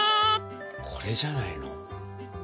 これじゃないの？